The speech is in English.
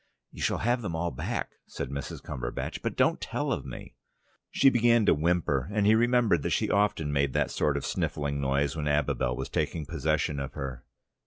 "You shall have them all back," said Mrs. Cumberbatch. "But don't tell of me." She began to whimper, and he remembered that she often made that sort of sniffling noise when Abibel was taking possession of her.